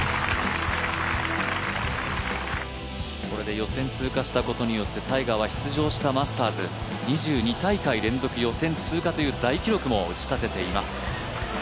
これで予選通過したことによってタイガーは出場したマスターズ２２大会連続予選通過という大記録も打ち立てています。